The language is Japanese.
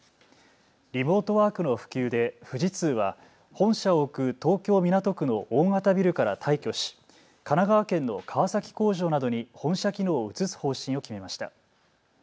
リモートワークの普及で富士通は本社を置く東京港区の大型ビルから退去し神奈川県の川崎工場などに本社機能を移す方針を決めました。